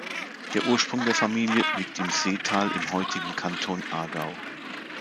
Der Ursprung der Familie liegt im Seetal im heutigen Kanton Aargau.